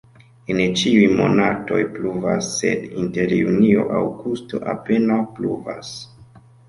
En ĉiuj monatoj pluvas, sed inter junio-aŭgusto apenaŭ pluvas.